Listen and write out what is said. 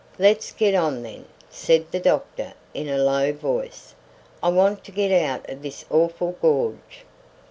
"Let's get on then," said the doctor in a low voice. "I want to get out of this awful gorge."